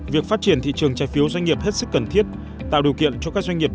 việc phát triển thị trường trái phiếu doanh nghiệp hết sức cần thiết tạo điều kiện cho các doanh nghiệp